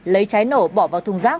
lấy trái nổ bỏ vào thùng rác